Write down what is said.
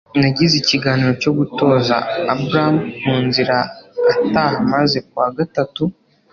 Nagize ikiganiro cyo gutoza Abram mu nzira ataha maze ku wa gatatu